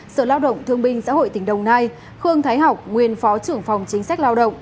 sở lao động thương binh xã hội tỉnh đồng nai khương thái học nguyên phó trưởng phòng chính sách lao động